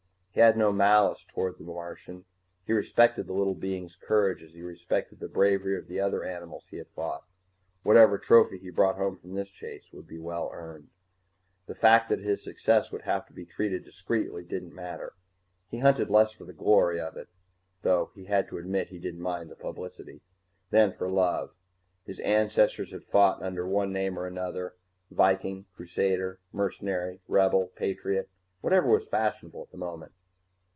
He had no malice toward the Martian; he respected the little being's courage as he respected the bravery of the other animals he had fought. Whatever trophy he brought home from this chase would be well earned. The fact that his success would have to be treated discreetly didn't matter. He hunted less for the glory of it though he had to admit he didn't mind the publicity than for love. His ancestors had fought under one name or another viking, Crusader, mercenary, rebel, patriot, whatever was fashionable at the moment.